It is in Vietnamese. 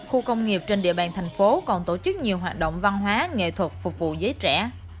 hàng thành phố còn tổ chức nhiều hoạt động văn hóa nghệ thuật phục vụ giới trẻ